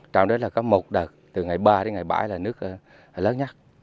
trong đấy là có một đợt từ ngày ba đến ngày bảy là nước lớn nhất